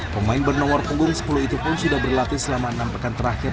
pemain bernomor punggung sepuluh itu pun sudah berlatih selama enam pekan terakhir